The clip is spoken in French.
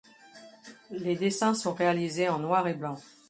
Les dessins sont réalisés en noir et blanc.